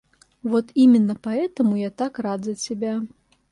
Вот именно поэтому я так рад за тебя.